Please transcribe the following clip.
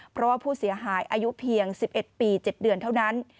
เพราะว่าผู้เสียหายอายุเพียง๑๑ปี๗เดือนเท่านั้น